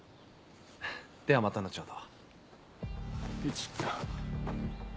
ではまた後ほど。